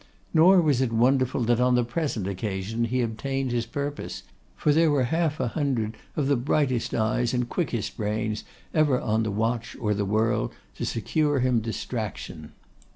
Nor was it wonderful that on the present occasion he obtained his purpose, for there were half a hundred of the brightest eyes and quickest brains ever on the watch or the whirl to secure him distraction.